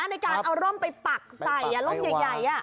ในการเอาร่มไปปักใส่ร่มใหญ่